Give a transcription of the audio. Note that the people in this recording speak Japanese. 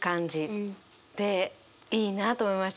いいなと思いました。